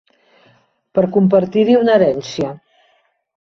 Per compartir-hi una herència.